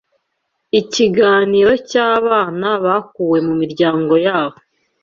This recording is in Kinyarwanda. Ikiganiro cyabana bakuwe mu miryango yabo